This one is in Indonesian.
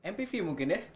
mpv mungkin ya